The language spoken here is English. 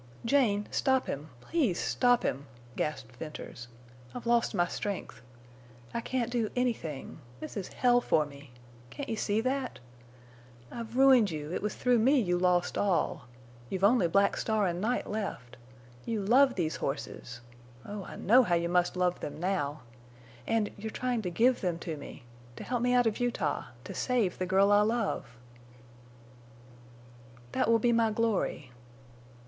"Jane—stop him—please stop him," gasped Venters. "I've lost my strength. I can't do—anything. This is hell for me! Can't you see that? I've ruined you—it was through me you lost all. You've only Black Star and Night left. You love these horses. Oh! I know how you must love them now! And—you're trying to give them to me. To help me out of Utah! To save the girl I love!" "That will be my glory."